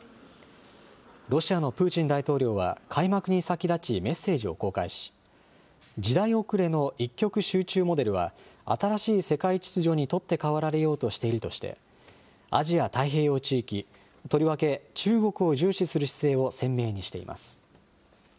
ロシアのプーチン大統領は開幕に先立ち、メッセージを公開し、時代遅れの一極集中モデルは新しい世界秩序に取って代わられようとしているとして、アジア太平洋地域、とりわけ中国を重視する姿勢を鮮明にしています。